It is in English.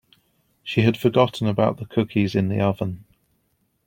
She had forgotten about the cookies in the oven.